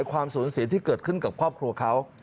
ความสูญเสียที่เกิดขึ้นกับครอบครัวเขา